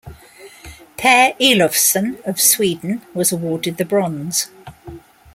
Per Elofsson of Sweden was awarded the bronze.